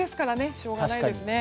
しょうがないですね。